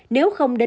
nếu không đến